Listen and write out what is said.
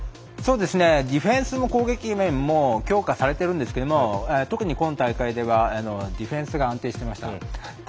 ディフェンスも攻撃面も強化されているんですけれども特に今大会ではディフェンスが安定していました。